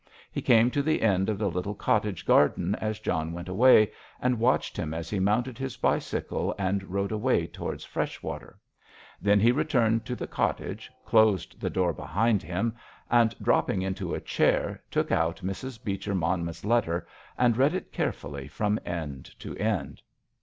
He came to the end of the little cottage garden as John went away, and watched him as he mounted his bicycle and rode away towards Freshwater. Then he returned to the cottage, closed the door behind him, and, dropping into a chair, took out Mrs. Beecher Monmouth's letter and read it carefully from end to end.